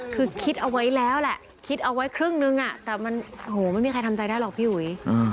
คือคิดเอาไว้แล้วแหละคิดเอาไว้ครึ่งนึงแต่มันโหไม่มีใครทำใจได้หรอกพี่อุ๋ย